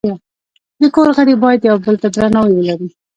د کور غړي باید یو بل ته درناوی ولري.